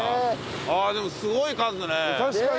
ああでもすごい数ね。